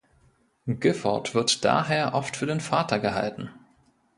Gifford wird daher oft für den Vater gehalten.